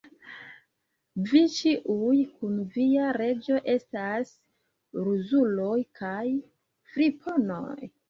Vi ĉiuj, kun via reĝo, estas ruzuloj kaj friponoj!